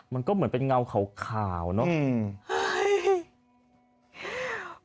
มันก็เหมือนเป็นเงาขาวเนอะ